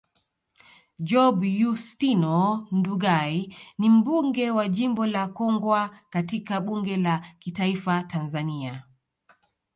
Job Yustino Ndugai ni mbunge wa jimbo la Kongwa katika bunge la kitaifa Tanzania